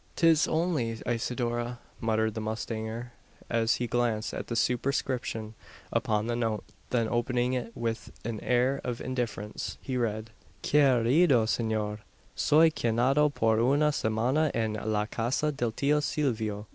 "'Tis only Isidora!" muttered the mustanger, as he glanced at the superscription upon the note. Then opening it with an air of indifference, he read: "Querido Senor! "_Soy quedando por una semana en la casa del tio Silvio.